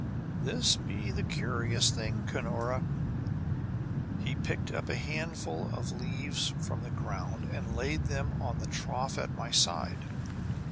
"This be the curious thing, Cunora: He picked up a handful of leaves from the ground and laid them on the trough at my side.